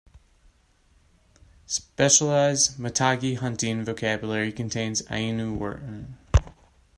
Specialized Matagi hunting vocabulary contains Ainu words.